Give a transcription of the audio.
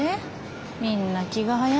みんな気が早いね。